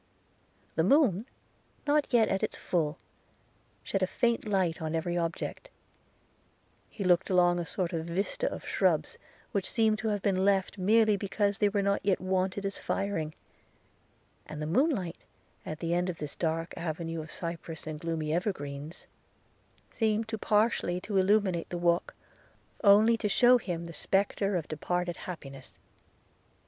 – The moon, not yet at its full, shed a faint light on every object: he looked along a sort of vista of shrubs, which seemed to have been left merely because they were not yet wanted as firing; and the moonlight, at the end of this dark avenue of cypress and gloomy evergreens, seemed partially to illuminate the walk, only to shew him the spectre of departed happiness.